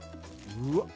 うわっ。